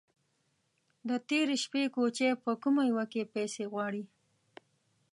_د تېرې شپې کوچی به په کومه يوه کې پسې غواړې؟